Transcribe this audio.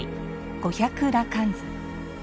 「五百羅漢図」。